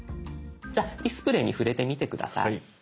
じゃ「ディスプレイ」に触れてみて下さい。